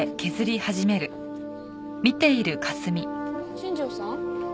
新庄さん？